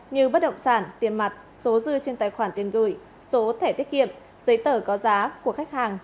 như bất động sản tiền mặt số dư trên tài khoản tiền gửi số thẻ tiết kiệm giấy tờ có giá của khách hàng